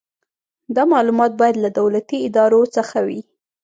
دا معلومات باید له دولتي ادارو څخه وي.